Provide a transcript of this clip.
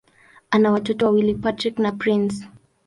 Ana watoto wawili: Patrick na Prince.